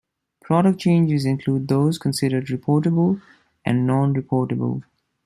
Product changes include those considered reportable and non-reportable.